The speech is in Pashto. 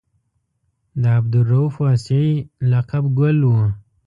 د عبدالرؤف واسعي لقب ګل و.